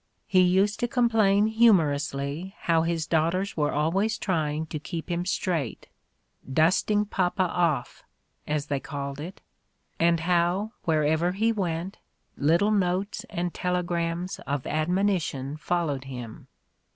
He used to complain humorously how his daughters were always trying to keep him straight — "dusting papa off," as they called it, and how, wherever he went, little notes and telegrams of admonition followed him.